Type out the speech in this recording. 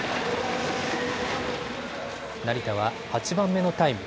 成田は８番目のタイム。